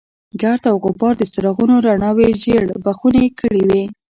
ګرد او غبار د څراغونو رڼاوې ژېړ بخونې کړې وې.